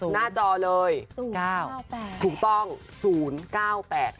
หน้าจอเลย๐๙๘ค่ะ